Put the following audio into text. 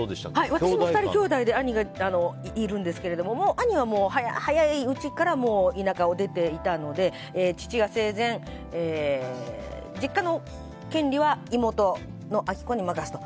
私も２人兄妹で兄がいるんですけど兄は早いうちから田舎を出ていたので父が生前実家の権利は妹の明子に任せると。